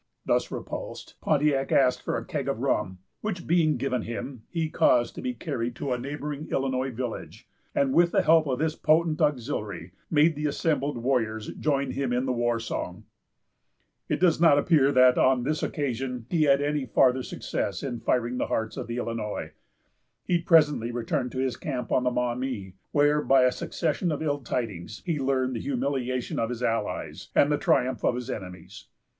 Thus repulsed, Pontiac asked for a keg of rum. Which being given him, he caused to be carried to a neighboring Illinois village; and, with the help of this potent auxiliary, made the assembled warriors join him in the war song. It does not appear that, on this occasion, he had any farther success in firing the hearts of the Illinois. He presently returned to his camp on the Maumee, where, by a succession of ill tidings, he learned the humiliation of his allies, and the triumph of his enemies.